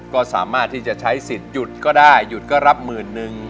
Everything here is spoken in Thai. ก็สามารถที่จะใช้สิทธิ์หยุดก็ได้หยุดก็รับหมื่นนึง